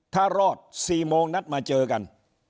ถ้ารอด๔โมงนัดมาเจอกัน